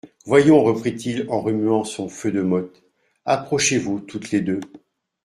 Voyons, reprit-il en remuant son feu de mottes, approchez-vous toutes les deux.